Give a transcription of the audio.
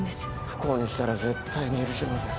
不幸にしたら絶対に許しません。